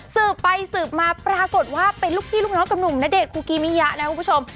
สืบไปสืบมาปรากฏว่าเป็นลูกพี่ลูกน้องกับหนุ่มณเดชนคุกิมิยะนะคุณผู้ชม